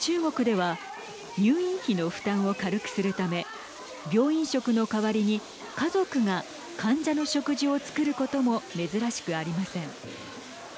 中国では入院費の負担を軽くするため病院食の代わりに家族が患者の食事を作ることも珍しくありません。